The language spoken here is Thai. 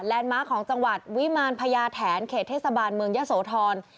มาร์คของจังหวัดวิมารพญาแถนเขตเทศบาลเมืองยะโสธร